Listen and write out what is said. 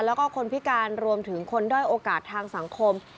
แล้วก็คนพิการรวมถึงคนด้อยโอกาสทางสังคม